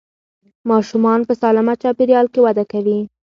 ماشومان په سالمه چاپېریال کې وده کوي.